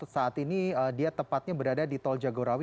saat ini dia tepatnya berada di tol jagorawi